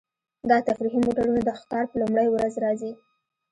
دا تفریحي موټرونه د ښکار په لومړۍ ورځ راځي